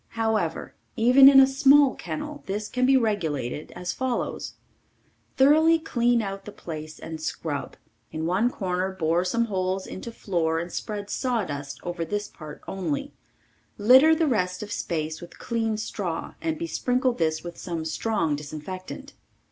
However, even in a small kennel this can be regulated as follows: Thoroughly clean out the place and scrub; in one corner bore some holes into floor and spread sawdust over this part only; litter the rest of space with clean straw and besprinkle this with some strong disinfectant.